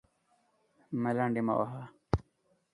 _ملنډې مه وهه!